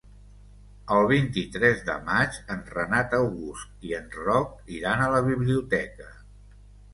El vint-i-tres de maig en Renat August i en Roc iran a la biblioteca.